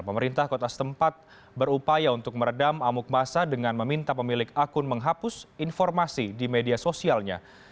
pemerintah kota setempat berupaya untuk meredam amuk masa dengan meminta pemilik akun menghapus informasi di media sosialnya